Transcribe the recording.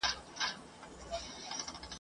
د کښتۍ په منځ کي جوړه خوشالي سوه !.